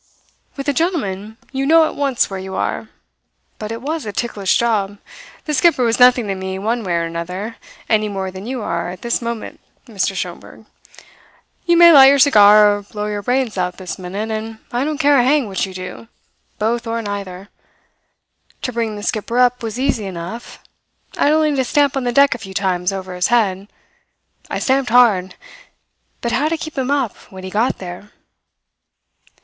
"With a gentleman you know at once where you are; but it was a ticklish job. The skipper was nothing to me one way or another, any more than you are at this moment, Mr. Schomberg. You may light your cigar or blow your brains out this minute, and I don't care a hang which you do, both or neither. To bring the skipper up was easy enough. I had only to stamp on the deck a few times over his head. I stamped hard. But how to keep him up when he got there?